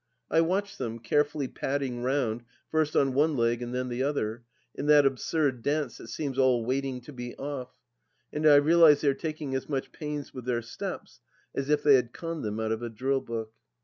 I watch them, carefully padding round, first on one leg and then the other, in that absurd dance that seems all " waiting to be off," and I realize they are taking as much pains with their steps as if they had conned them out of a dnll book.